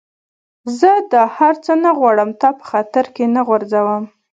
زه دا هر څه نه غواړم، تا په خطر کي نه غورځوم.